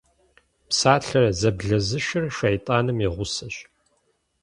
Псалъэр зэблэзышыр шэйтӏаным и гъусэщ.